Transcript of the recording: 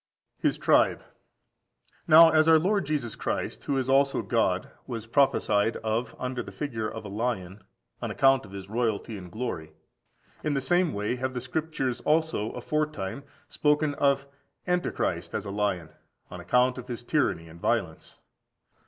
2066. Now, as our Lord Jesus Christ, who is also God, was prophesied of under the figure of a lion,14161416 Rev. v. 5; [also Gen. xlix. 8. See below, 7, 8]. on account of His royalty and glory, in the same way have the Scriptures also aforetime spoken of Antichrist as a lion, on account of his tyranny and violence.